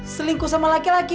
selingkuh sama laki laki